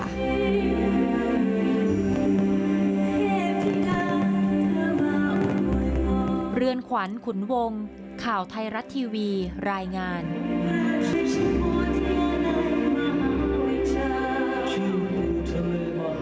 มันก็จะเหมือนเป็นการเตือนสติของตัวเองอะไรอย่างนี้